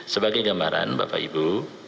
sebagai gambaran bapak ibu